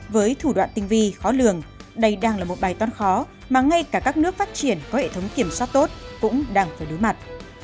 với thủ đoạn tinh vi khó lường đây đang là một bài toán khó mà ngay cả các nước phát triển có hệ thống kiểm soát tốt cũng đang phải đối mặt